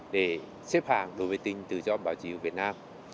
để xếp hàng đồ vệ tinh tự do báo chí của việt nam